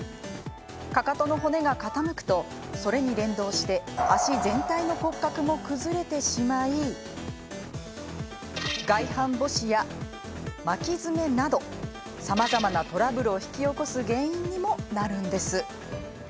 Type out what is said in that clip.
かかとの骨が傾くとそれに連動して足全体の骨格も崩れてしまい外反ぼしや巻き爪などさまざまなトラブルを引き起こす原因にもなるんです。